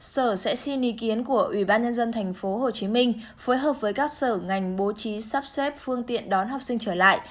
sở sẽ xin ý kiến của ubnd tp hcm phối hợp với các sở ngành bố trí sắp xếp phương tiện đón học sinh trở lại